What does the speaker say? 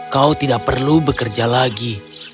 kau tidak perlu bekerja lagi